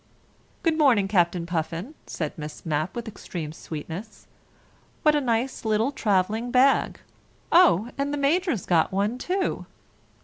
"Good morning, Captain Puffin," said Miss Mapp with extreme sweetness. "What a nice little travelling bag! Oh, and the Major's got one too!